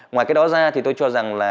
ngoài cái đó ra thì tôi cho rằng là